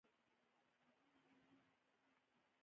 هوښیاري دا ده چې پوه شې څنګه له خلکو سره سمه اړیکه ولرې.